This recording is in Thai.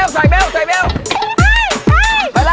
ใส่เบล